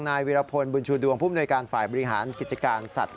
นายวิรพลบุญชูดวงผู้มนวยการฝ่ายบริหารกิจการสัตว